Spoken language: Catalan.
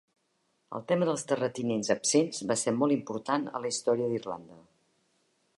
El tema dels terratinents absents va ser molt important en la història d'Irlanda.